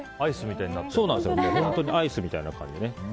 本当にアイスみたいな感じで。